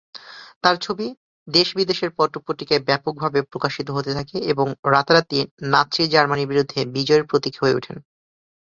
তার ছবি দেশ বিদেশের পত্র-পত্রিকায় ব্যাপকভাবে প্রকাশিত হতে থাকে, এবং রাতারাতি নাৎসি জার্মানির বিরুদ্ধে বিজয়ের প্রতীক হয়ে উঠেন।